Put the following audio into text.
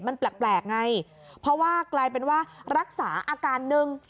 มันแปลกไงเพราะว่ากลายเป็นว่ารักษาอาการหนึ่ง